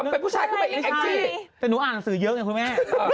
แต่หนูอ่านหนังสือเยอะเนี่ยคุณแม่